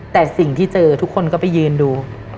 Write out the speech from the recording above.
แต่สิ่งที่เจอทุกคนก็ไปยืนดู